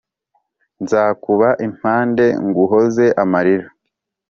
Nzakuba impande nguhoze amarira